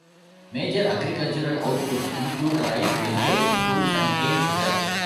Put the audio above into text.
Major agricultural outputs include rice, vegetables, fruits and cane sugar.